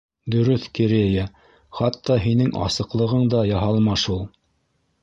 Дөрөҫ, Керея, хатта һинең асыҡлығың да яһалма шул.